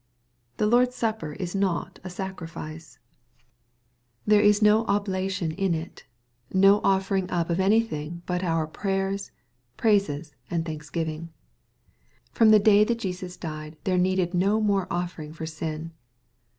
The Lord's Supper is not a sacrifice. There is no 858 EXPOBITOBT THOUOHTS. oblation in it, — no offering up of anything but ooi prayers, praises, and thanksgivings. From the day that Jesus died there needed no more offering for sin.